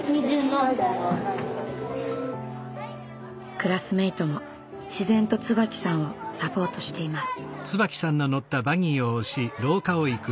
クラスメートも自然と椿さんをサポートしています。